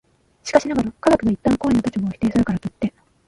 しかしながら、科学が一旦行為の立場を否定するからといって、